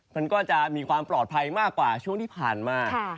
มันก็จะมีความปลอดภัยมากกว่าช่วงที่ผ่านมา